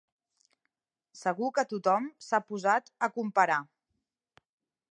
Segur que tothom s'ha posat a comparar.